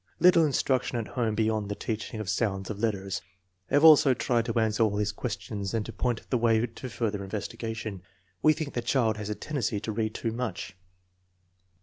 Little in struction at home beyond the teaching of sounds of let ters. Have also tried to answer all his questions and to point the way to further investigation. We think the child has a tendency to read too much."